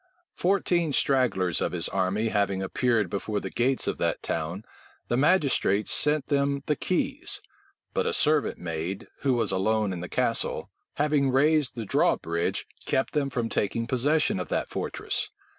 Fourteen stragglers of his army having appeared before the gates of that town, the magistrates sent them the keys; but a servant maid, who was alone in the castle, having raised the drawbridge, kept them from taking possession of that fortress.